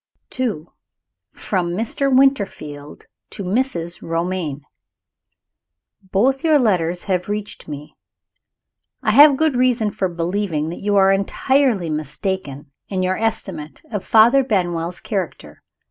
II. From Mr. Winterfield to Mrs. Romayne. Both your letters have reached me. I have good reason for believing that you are entirely mistaken in your estimate of Father Benwell's character.